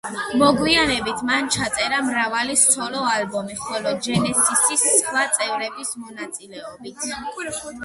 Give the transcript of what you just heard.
მოგვიანებით მან ჩაწერა მრავალი სოლო ალბომი, ხოლმე ჯენესისის სხვა წევრების მონაწილეობით.